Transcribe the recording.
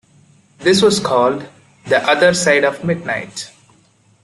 This was called "The Other Side of Midnight".